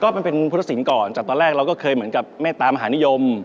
มันเป็นพุทธศิลป์ก่อนจากตอนแรกเราก็เคยเหมือนกับเมตตามหานิยม